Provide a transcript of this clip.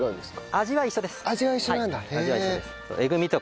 味は一緒です。